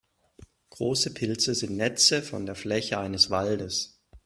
Große Pilze sind Netze von der Fläche eines Waldes.